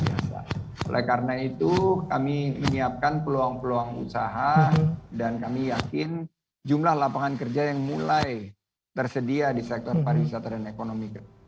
oleh karena itu kami menyiapkan peluang peluang usaha dan kami yakin jumlah lapangan kerja yang mulai tersedia di sektor pariwisata dan ekonomi